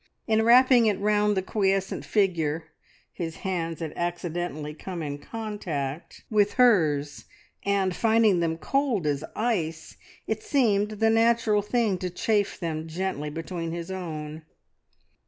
In wrapping it round the quiescent figure his hands had accidentally come in contact with hers, and finding them cold as ice, it seemed the natural thing to chafe them gently between his own.